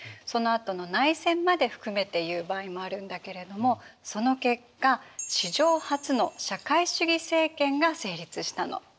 そのあとの内戦まで含めていう場合もあるんだけれどもその結果史上初の社会主義政権が成立したの。